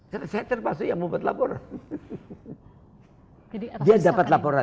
saya terpaksa ya membuat laporan